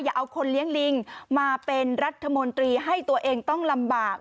เอาคนเลี้ยงลิงมาเป็นรัฐมนตรีให้ตัวเองต้องลำบาก